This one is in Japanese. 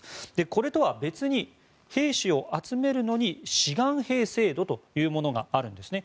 これとは別に兵士を集めるのに志願兵制度というものがあるんですね。